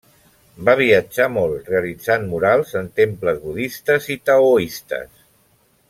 Va viatjar molt realitzant murals en temples budistes i taoistes.